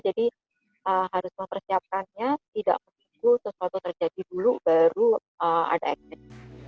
jadi harus mempersiapkannya tidak perlu sesuatu terjadi dulu baru ada action